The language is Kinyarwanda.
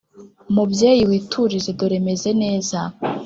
mubyeyi witurize dore meze neza,